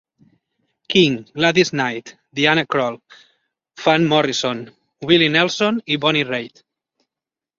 King, Gladys Knight, Diana Krall, Van Morrison, Willie Nelson i Bonnie Raitt.